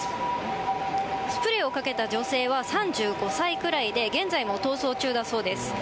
スプレーをかけた女性は３５歳くらいで、現在も逃走中だそうです。